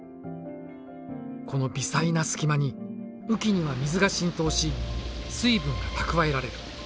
この微細な隙間に雨季には水が浸透し水分が蓄えられる。